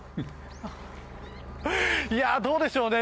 どうでしょうね。